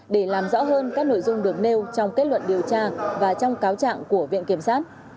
để làm rõ hơn các nội dung được nêu trong kết luận điều tra và trong cáo trạng của viện kiểm sát